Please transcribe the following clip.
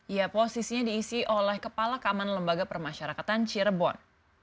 ya posisinya diisi oleh kepala kaman lembaga permasyarakatan cirebon